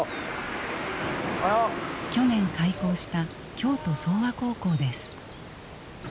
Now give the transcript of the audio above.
去年開校した京都奏和高校です。